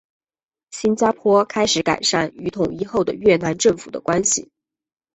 新加坡开始改善与统一后的越南政府的关系。